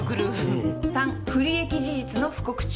うん③不利益事実の不告知。